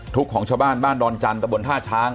ทุกของชาวบ้านบ้านดอนจันทร์ตระบวนท่าช้าง